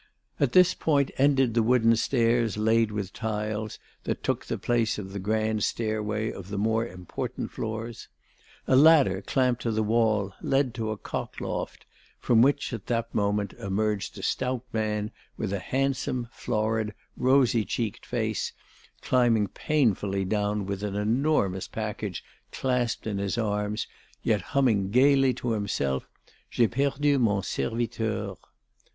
At this point ended the wooden stairs laid with tiles that took the place of the grand stairway of the more important floors. A ladder clamped to the wall led to a cock loft, from which at that moment emerged a stout man with a handsome, florid, rosy cheeked face, climbing painfully down with an enormous package clasped in his arms, yet humming gaily to himself: J'ai perdu mon serviteur.